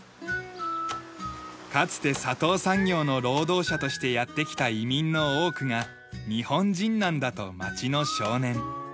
かつて砂糖産業の労働者としてやって来た移民の多くが日本人なんだと町の少年。